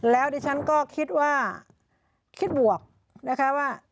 แล้วดิฉันก็คิดว่าคิดบวกนะคะว่า